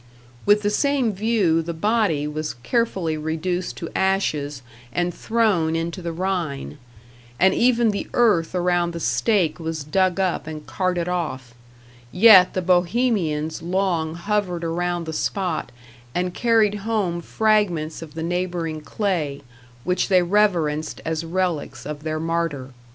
With the same view the body was carefully reduced to ashes and thrown into the Rhine, and even the earth around the stake was dug up and carted off; yet the Bohemians long hovered around the spot and carried home fragments of the neighboring clay, which they reverenced as relics of their martyr.